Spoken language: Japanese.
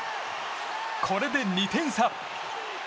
これで、２点差。